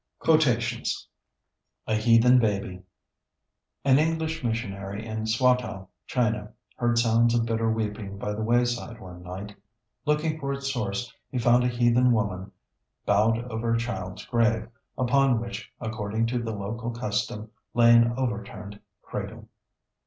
QUOTATIONS A HEATHEN BABY An English missionary in Swatow, China, heard sounds of bitter weeping by the wayside one night. Looking for its source, he found a heathen woman bowed over a child's grave, upon which, according to the local custom, lay an overturned cradle.